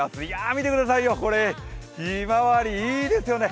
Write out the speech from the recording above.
見てくださいよ、ひまわり、いいですよね。